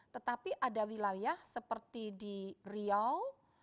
tetapi ada wilayah seperti di riau